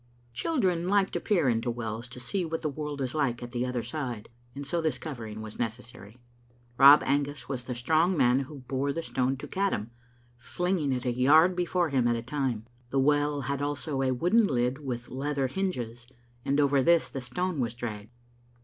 Children like to peer into wells to see what the world is like at the other side, and so this covering was necessary. Rob Angus was the strong man who bore the stone to Caddam, flinging it a yard before him at a time. The well had also a wooden lid with leather hinges, and over this the stone was dragged.